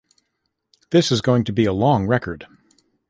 This is going to be a long record.